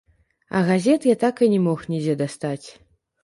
А газет я так і не мог нідзе дастаць.